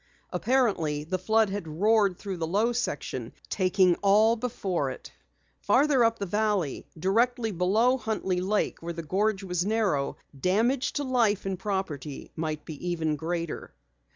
Apparently the flood had roared through the low section, taking all before it. Farther up the valley, directly below Huntley Lake where the gorge was narrow, damage to life and property might be even greater.